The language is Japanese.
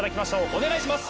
お願いします。